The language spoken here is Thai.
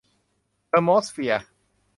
เทอร์โมสเฟียร์